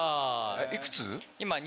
いくつ？